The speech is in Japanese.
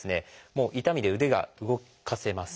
もう痛みで腕が動かせません。